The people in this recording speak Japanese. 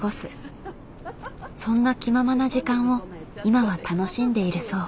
そんな気ままな時間を今は楽しんでいるそう。